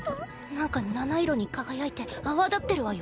なんか七色に輝いて泡立ってるわよ。